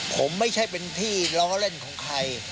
ผมไม่ใช่เป็นที่ล้อเล่นของใคร